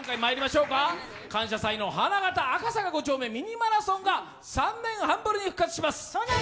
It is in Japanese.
「感謝祭」の花形、「赤坂５丁目ミニマラソン」が３年半ぶりに復活します。